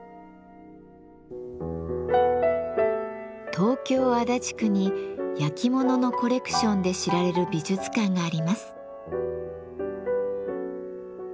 東京・足立区に焼き物のコレクションで知られる美術館があります。